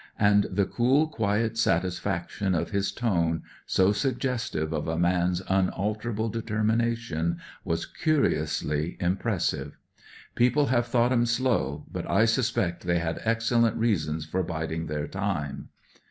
And the cool, quiet satisfaction of his tone, so suggestive of a man's unalterable determination, was curiously impressive. "People have thought 'em slow, but I suspect they had excellent reasons for biding their time.